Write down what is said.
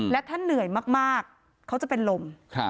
และถ้าเหนื่อยมากเขาจะเป็นลม